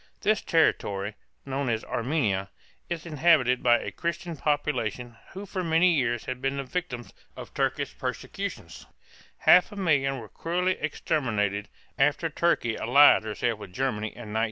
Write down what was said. This territory, known as Arme´nia, is inhabited by a Christian population who for many years had been the victims of Turkish persecutions; half a million were cruelly exterminated after Turkey allied herself with Germany in 1914.